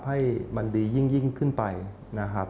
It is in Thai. ให้มันดียิ่งขึ้นไปนะครับ